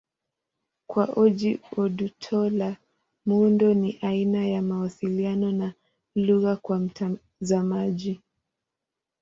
Kwa Ojih Odutola, muundo ni aina ya mawasiliano na lugha kwa mtazamaji.